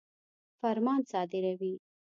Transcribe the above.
فرمان صادروي.